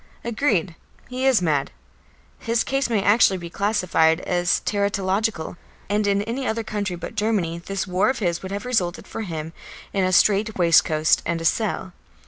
Agreed; he is mad. His case may actually be classified as teratological, and in any other country but Germany this war of his would have resulted for him in a strait waistcoat and a cell.